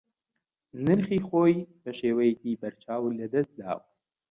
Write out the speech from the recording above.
نرخی خۆی بە شێوەیەکی بەرچاو لەدەست داوە